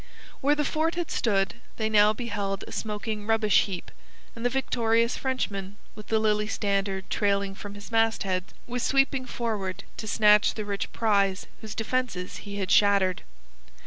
Where the fort had stood they now beheld a smoking rubbish heap, and the victorious Frenchman with the lily standard trailing from his mastheads was sweeping forward to snatch the rich prize whose defences he had shattered.